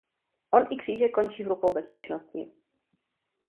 On i Křížek končí v rukou bezpečnosti.